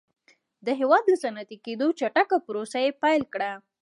د هېواد د صنعتي کېدو چټکه پروسه یې پیل کړه